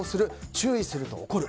注意すると怒る。